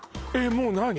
もう何？